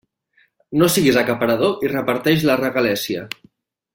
No siguis acaparador i reparteix la regalèssia.